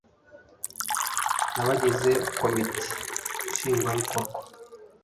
n abagize komite nshingwabikorwa